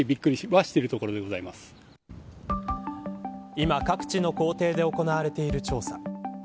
今、各地の校庭で行われている調査。